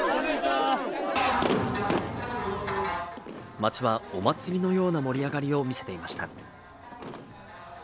街はお祭りのような盛り上がりを見せていました。